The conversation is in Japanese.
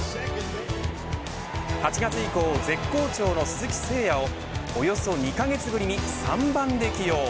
８月以降、絶好調の鈴木誠也をおよそ２カ月ぶりに３番で起用。